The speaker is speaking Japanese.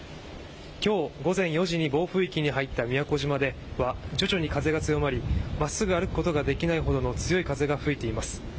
今日午前４時に暴風域に入った宮古島では徐々に風が強まり真っすぐ歩くことができないほどの強い風が吹いています。